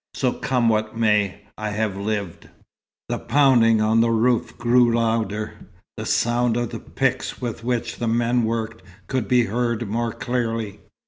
So come what may, I have lived." The pounding on the roof grew louder. The sound of the picks with which the men worked could be heard more clearly.